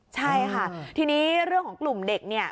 ใช่ค่ะทีนี้เรื่องของกลุ่มเด็กเนี่ย